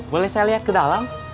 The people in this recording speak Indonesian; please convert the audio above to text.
boleh saya lihat ke dalam